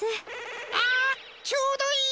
あちょうどいい！